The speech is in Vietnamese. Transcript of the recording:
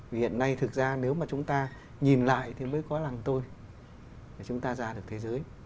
vì hiện nay thực ra nếu mà chúng ta nhìn lại thì mới có làng tôi để chúng ta ra được thế giới